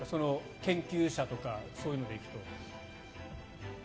研究者とかそういうのでいくと。